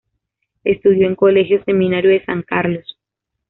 Estudió en Colegio Seminario de San Carlos.